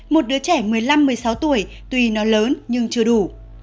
một đứa trẻ một mươi năm một mươi sáu tuổi tuy nó lớn nhưng chưa đủ